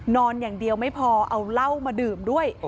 นอนอย่างเดียวไม่พอเอาเหล้ามาดื่มด้วย